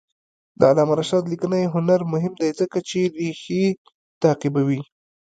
د علامه رشاد لیکنی هنر مهم دی ځکه چې ریښې تعقیبوي.